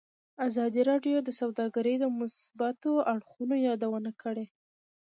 ازادي راډیو د سوداګري د مثبتو اړخونو یادونه کړې.